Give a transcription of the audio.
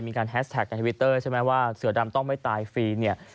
แฮสแท็กในทวิตเตอร์ใช่ไหมว่าเสือดำต้องไม่ตายฟรีเนี่ย